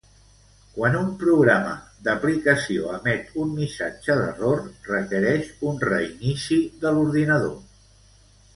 "Quan un programa d'aplicació emet un missatge d'error, requereix un reinici de l'ordinador."